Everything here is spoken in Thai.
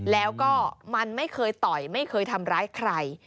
แล้วก็มันไม่เคยต่อยไม่เคยทำร้ายใคร